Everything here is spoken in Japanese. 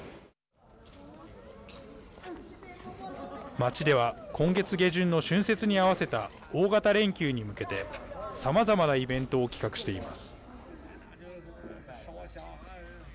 街では今月下旬の春節に合わせた大型連休に向けてさまざまなイベントを企画しています。